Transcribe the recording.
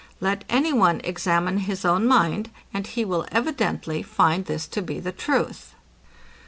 Let any one examine his own mind, and he will evidently find this to be the truth.